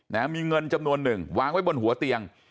นะมีเงินจำนวนหนึ่งวางไว้บนหัวเตียง